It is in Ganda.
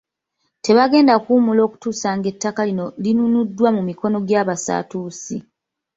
Tebagenda kuwummula okutuusa ng'ettaka lino linunuddwa mu mikono gy'abasatuusi.